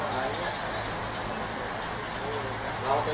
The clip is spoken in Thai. สวัสดีครับ